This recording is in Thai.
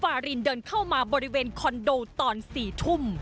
วารินเดินเข้ามาบริเวณคอนโดตอน๔ทุ่ม